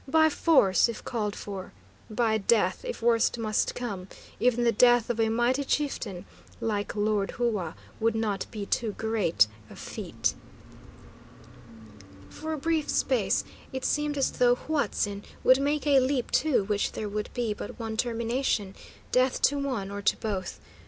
By force if called for. By death if worst must come; even the death of a mighty chieftain like Lord Hua would not be too great a feat." For a brief space it seemed as though Huatzin would make a leap to which there could be but one termination, death to one or to both.